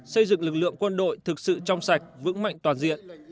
xây dựng lực lượng quân đội thực sự trong sạch vững mạnh toàn diện